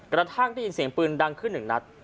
กระทั่งได้ยินเสียงปืนดังขึ้นหนึ่งนัด